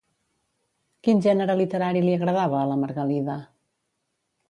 Quin gènere literari li agradava a la Margalida?